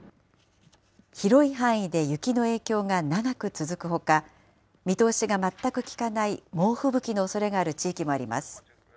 広い範囲で雪の影響が長く続くほか、見通しが全く利かない猛吹雪のおそれのある地域もあります。